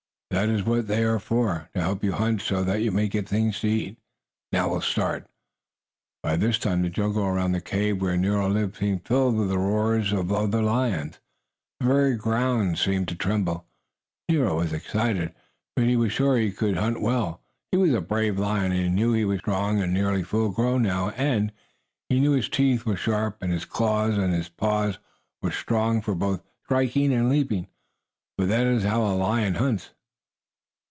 That is what they are for to help you hunt so that you may get things to eat. Now we will start." By this time the jungle around the cave where Nero lived seemed filled with the roarings of other lions. The very ground seemed to tremble. Nero was excited, but he was sure he could hunt well. He was a brave lion, and he knew he was strong and nearly full grown now, and he knew his teeth were sharp, as were his claws, and his paws were strong, both for striking and leaping, for that is how a lion hunts.